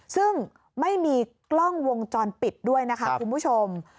ซึ่งไม่มีกล้องวงจรปิดด้วยนะคะคุณผู้ชม